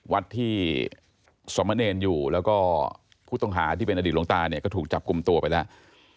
วัดที่สมเนรอยู่แล้วก็ผู้ต้องหาที่เป็นอดีตหลวงตาเนี่ยก็ถูกจับกลุ่มตัวไปแล้ว